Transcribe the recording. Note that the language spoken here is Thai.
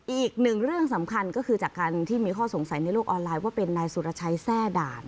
อีกหนึ่งเรื่องสำคัญก็คือจากการที่มีข้อสงสัยในโลกออนไลน์ว่าเป็นนายสุรชัยแทร่ด่าน